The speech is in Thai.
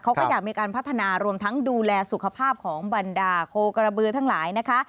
เขาก็อยากมีการพัฒนารวมทั้งดูแลสุขภาพของบรรดาโคกระบือทั้งหลายนะคะ